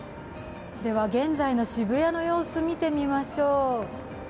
現在の渋谷の様子見てみましょう。